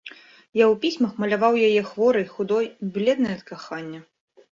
Я ў пісьмах маляваў яе хворай, худой і бледнай ад кахання.